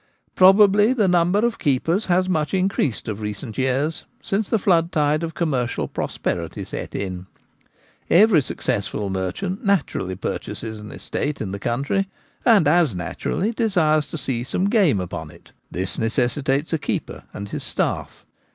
Probably the number of keepers has much increased of recent years, since the floodtide of commercial prosperity set in. Every successful merchant naturally Game as Merchandise. 43 purchases an estate in the country, and as naturally desires to see some game upon it This necessitates a keeper and his staff.